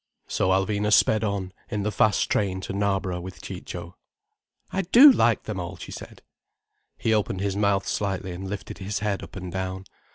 So Alvina sped on in the fast train to Knarborough with Ciccio. "I do like them all," she said. He opened his mouth slightly and lifted his head up and down.